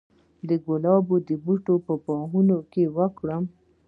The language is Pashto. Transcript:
د ګلابو بوټي په باغ کې وکرم؟